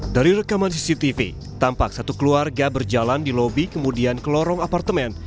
dari rekaman cctv tampak satu keluarga berjalan di lobi kemudian ke lorong apartemen